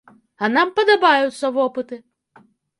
А нам падабаюцца вопыты!